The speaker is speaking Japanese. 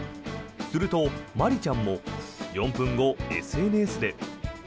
すると麻里ちゃんも４分後、ＳＮＳで。